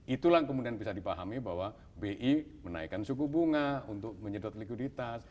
itulah kemudian bisa dipahami bahwa bi menaikkan suku bunga untuk menyedot likuiditas